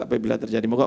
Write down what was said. apabila terjadi mogok